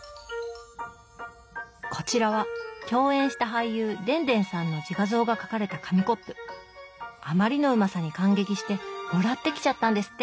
こちらは共演した俳優でんでんさんのあまりのうまさに感激してもらってきちゃったんですって。